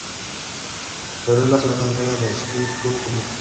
Pero es en la segunda entrega de Sly Cooper cuando comienza a participar.